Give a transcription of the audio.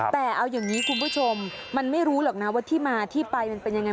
แต่เอาอย่างนี้คุณผู้ชมมันไม่รู้หรอกนะว่าที่มาที่ไปมันเป็นยังไง